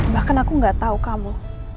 bahkan aku engga tau kamu